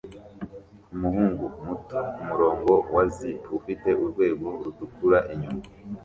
Umuhungu muto kumurongo wa zip ufite urwego rutukura inyuma